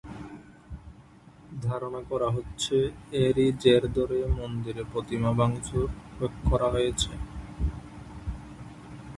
ধারণা করা হচ্ছে, এরই জের ধরে মন্দিরের প্রতিমা ভাঙচুর করা হয়েছে।